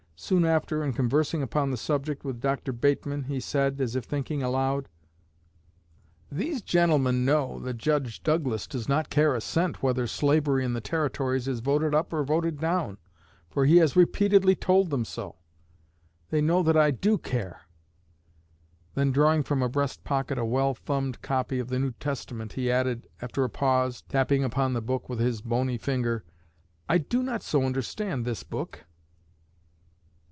Soon after, in conversing upon the subject with Dr. Bateman, he said, as if thinking aloud: "These gentlemen know that Judge Douglas does not care a cent whether slavery in the territories is voted up or voted down, for he has repeatedly told them so. They know that I do care." Then, drawing from a breast pocket a well thumbed copy of the New Testament, he added, after a pause, tapping upon the book with his bony finger: "I do not so understand this book."